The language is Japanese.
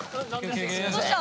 どうした？